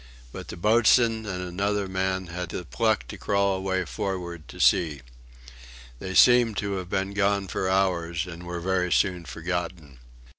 But the boatswain and another man had the pluck to crawl away forward to see. They seemed to have been gone for hours, and were very soon forgotten.